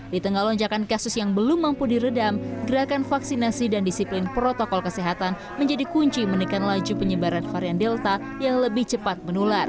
di tengah lonjakan kasus yang belum mampu diredam gerakan vaksinasi dan disiplin protokol kesehatan menjadi kunci menekan laju penyebaran varian delta yang lebih cepat menular